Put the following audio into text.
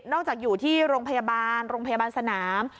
จากอยู่ที่โรงพยาบาลโรงพยาบาลสนาม